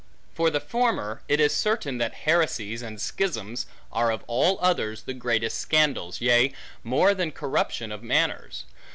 For the former; it is certain, that heresies, and schisms, are of all others the greatest scandals; yea, more than corruption of manners.